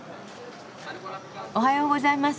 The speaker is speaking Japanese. おはようございます。